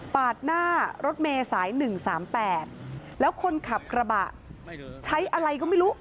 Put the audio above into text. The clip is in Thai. หน้ารถเมย์สาย๑๓๘แล้วคนขับกระบะใช้อะไรก็ไม่รู้